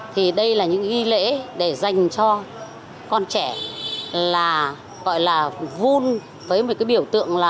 thì đây là những nghi lễ để dành cho con trẻ là gọi là vun với một cái biểu tượng là